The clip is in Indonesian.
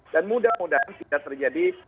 dan mudah mudahan tidak terjadi